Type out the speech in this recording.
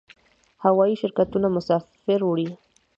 هوایی شرکتونه مسافر وړي